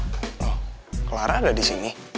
kalau clara ada di sini